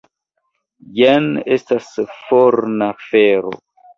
Jen estas forna fero!